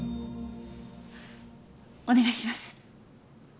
お願いします。